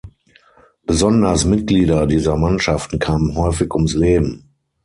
Besonders Mitglieder dieser Mannschaften kamen häufig ums Leben.